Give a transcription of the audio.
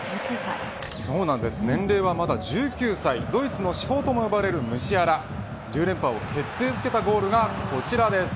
年齢は１９歳ドイツの至宝とも呼ばれるムシアラ１０連覇を決定づけたゴールがこちらです。